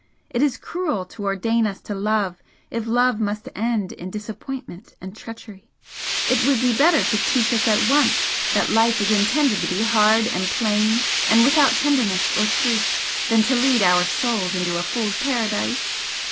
It is cruel to ordain us to love, if love must end in disappointment and treachery! It would be better to teach us at once that life is intended to be hard and plain and without tenderness or truth, than to lead our souls into a fool's paradise!"